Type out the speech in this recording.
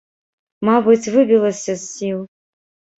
Мабыць, выбілася з сіл.